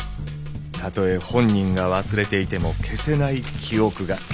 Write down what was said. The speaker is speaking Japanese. たとえ本人が忘れていても消せない記憶が。